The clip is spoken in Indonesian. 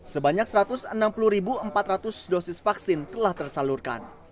sebanyak satu ratus enam puluh empat ratus dosis vaksin telah tersalurkan